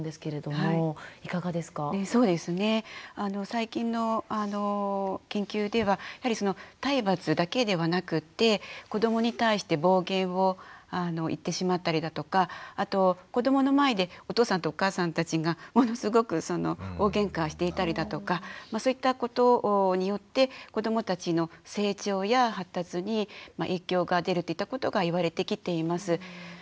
最近の研究ではやはり体罰だけではなくって子どもに対して暴言を言ってしまったりだとかあと子どもの前でお父さんとお母さんたちがものすごく大げんかしていたりだとかそういったことによって子どもたちの成長や発達に影響が出るといったことが言われてきています。